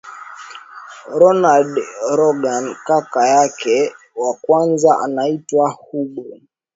Ronald Reagan Kaka yake wa kwanza anaitwa Hugo